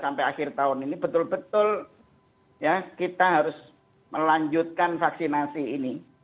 sampai akhir tahun ini betul betul ya kita harus melanjutkan vaksinasi ini